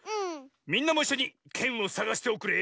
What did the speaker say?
みんなもいっしょにけんをさがしておくれ。